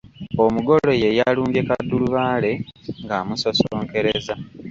Omugole y’eyalumbye kaddulubaale ng’amusosonkereza.